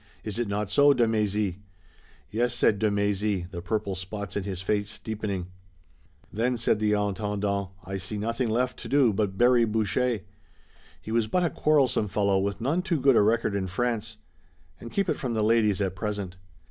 Is it not so, de Mézy?" "Yes," said de Mézy, the purple spots in his face deepening. "Then," said the Intendant, "I see nothing left to do but bury Boucher. He was but a quarrelsome fellow with none too good a record in France. And keep it from the ladies at present."